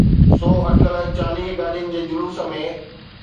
سو اٽڪل چاليهه گاڏين جي جلوس ۾.